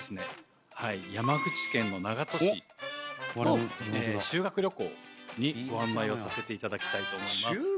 山口県の長門市修学旅行にご案内をさせて頂きたいと思います。